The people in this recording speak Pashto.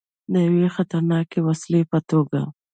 د یوې خطرناکې وسلې په توګه.